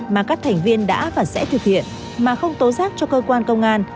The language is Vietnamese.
mà các thành viên đã và sẽ thực hiện mà không tố giác cho cơ quan công an